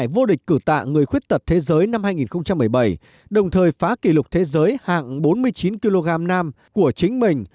về người khuyết tật thế giới năm hai nghìn một mươi bảy đồng thời phá kỷ lục thế giới hạng bốn mươi chín kg nam của chính mình